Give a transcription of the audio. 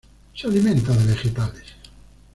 Se alimenta de vegetales.